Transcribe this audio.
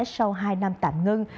sau hai năm tạm ngưng